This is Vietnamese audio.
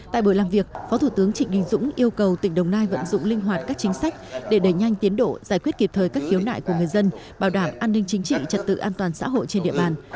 tại buổi làm việc phó thủ tướng trịnh đình dũng yêu cầu tỉnh đồng nai vận dụng linh hoạt các chính sách để đẩy nhanh tiến độ giải quyết kịp thời các khiếu nại của người dân bảo đảm an ninh chính trị trật tự an toàn xã hội trên địa bàn